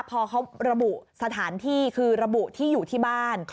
พอเขาระบุสถานที่คือระบุที่อยู่ที่บ้าน